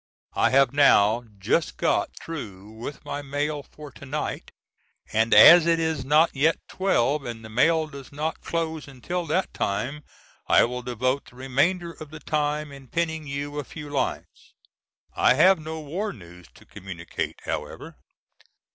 I have now just got through with my mail for to night, and as it is not yet twelve and the mail does not close until that time, I will devote the remainder of the time in penning you a few lines. I have no war news to communicate, however.